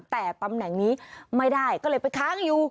แต่ตำแหน่งนี้ไม่ได้ก็เลยไปค้างอยู่